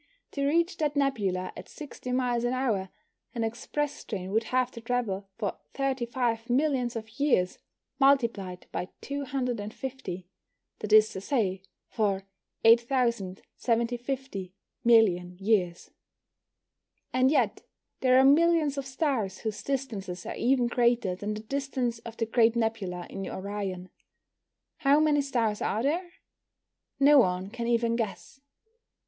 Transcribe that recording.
To reach that nebula at 60 miles an hour, an express train would have to travel for 35 millions of years multiplied by 250 that is to say, for 8,750 million years. And yet there are millions of stars whose distances are even greater than the distance of the Great Nebula in Orion. How many stars are there? No one can even guess.